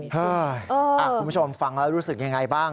คุณผู้ชมฟังแล้วรู้สึกยังไงบ้าง